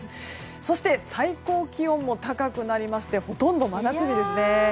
そして、最高気温も高くなりましてほとんど真夏日ですね。